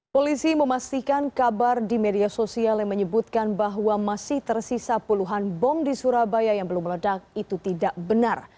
polisi memastikan kabar di media sosial yang menyebutkan bahwa masih tersisa puluhan bom di surabaya yang belum meledak itu tidak benar